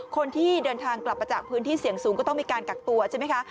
คนที่เดินทางกลับมาจากพื้นที่เสี่ยงสูงก็ต้องมีการกักตัวใช่ไหมคะ